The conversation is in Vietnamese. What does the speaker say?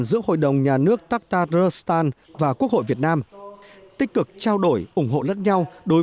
giữa hội đồng nhà nước taktaristan và quốc hội việt nam tích cực trao đổi ủng hộ lẫn nhau đối